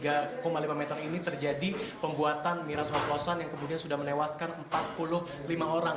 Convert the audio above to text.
di tempat ini yang memiliki kurang lebih dua lima meter ini terjadi pembuatan miras oplosan yang kemudian sudah melewaskan empat puluh lima orang